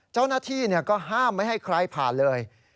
เจ้าหน้าที่ก็ห้ามไม่ให้ใครผ่านเลย